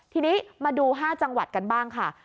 ทีนี้มาดู๕จังหวัดกันบ้างค่ะ